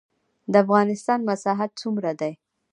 د افغانستان مساحت څومره دی؟